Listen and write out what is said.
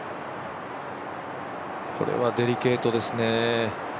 これはデリケートですね。